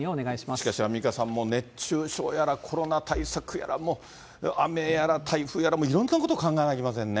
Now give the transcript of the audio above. しかし、アンミカさんも、熱中症やらコロナ対策やらもう雨やら台風やら、いろんなこと考えなきゃいけませんね。